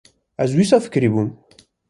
- Ez jî wisa fikirîbûm.